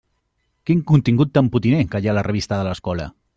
Quin contingut tan potiner que hi ha a la revista de l'escola!